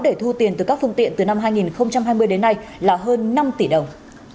để thu tiền từ các phương tiện từ năm hai nghìn hai mươi đến nay là hơn năm tỷ đồng